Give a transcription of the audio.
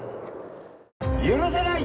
許せない！